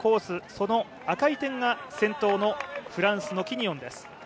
その赤い点が先頭のフランスのキニオンです。